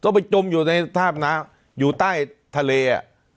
ก็ไปจมอยู่ในทาบน้ำอยู่ใต้ทะเลอ่ะ